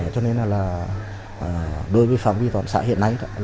cho nên là đối với phòng viên toàn xã hiện nay